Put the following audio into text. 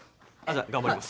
頑張ります。